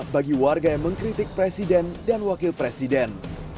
bagi warga yang mengkritik presiden dan wakil presiden